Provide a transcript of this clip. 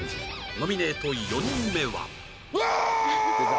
ノミネート４人目はうおー！